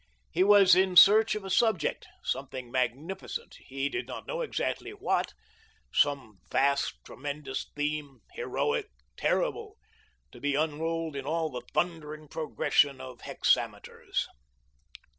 He was in search of a subject; something magnificent, he did not know exactly what; some vast, tremendous theme, heroic, terrible, to be unrolled in all the thundering progression of hexameters.